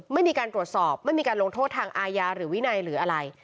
ไม่มีการตรวจสอบไม่มีการลงโทษทางอาญาหรือวินัยหรืออะไร